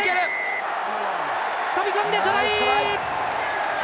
飛び込んで、トライ！